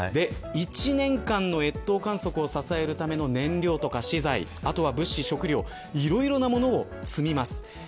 １年間越冬観測を支えるための燃料や資材物資、食料いろいろなものを積みます。